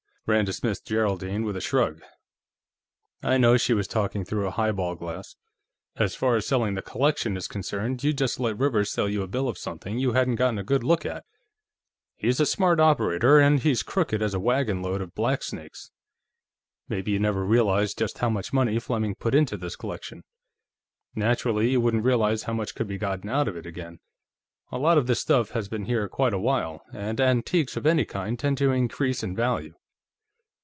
Rand dismissed Geraldine with a shrug. "I know she was talking through a highball glass. As far as selling the collection is concerned, you just let Rivers sell you a bill of something you hadn't gotten a good look at. He's a smart operator, and he's crooked as a wagon load of blacksnakes. Maybe you never realized just how much money Fleming put into this collection; naturally you wouldn't realize how much could be gotten out of it again. A lot of this stuff has been here for quite a while, and antiques of any kind tend to increase in value."